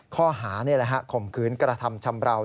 ข้อหานี่แหละฮะข่มขืนกระทำชำราว